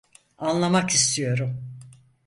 Anlamak istiyorum.